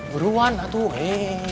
beruan lah tuh hei